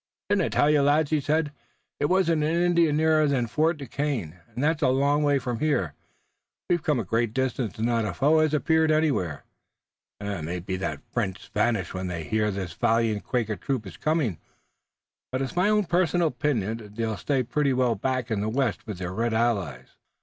"Didn't I tell you, lads," he said, "there wasn't an Indian nearer than Fort Duquesne, and that's a long way from here! We've come a great distance and not a foe has appeared anywhere. It may be that the French vanish when they hear this valiant Quaker troop is coming, but it's my own personal opinion they'll stay pretty well back in the west with their red allies."